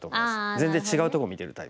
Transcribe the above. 全然違うとこ見てるタイプ。